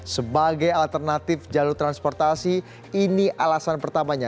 sebagai alternatif jalur transportasi ini alasan pertamanya